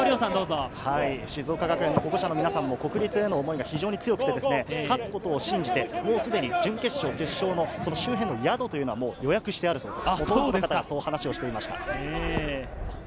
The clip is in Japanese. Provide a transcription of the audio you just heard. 静岡学園の保護者の皆さんも、国立への思いが非常に強くて、勝つことを信じて、もうすでに準決勝、決勝の周辺の宿を予約してあるそうです。